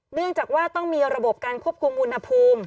เนื่องจากว่าต้องมีระบบการควบคุมอุณหภูมิ